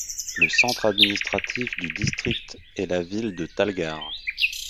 Le centre administratif du district est la ville de Talgar.